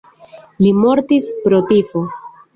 Li mortis pro tifo.